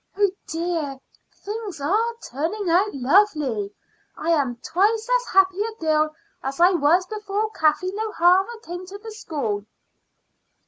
Oh dear, things are turning out lovely! I am twice as happy a girl as I was before Kathleen O'Hara came to the school."